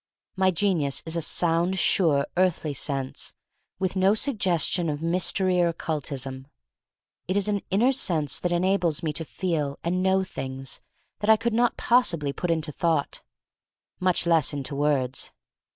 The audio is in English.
My genius is a sound, sure, earthly sense, with no suggestion of mystery or oc cultism. It is an inner sense that en ables me to feel and know things that I could not possibly put into thought, much less into words.